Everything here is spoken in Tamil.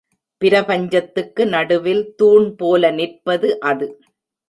பிரபஞ்சத்துக்கு நடுவில் தூண் போல நிற்பது அது.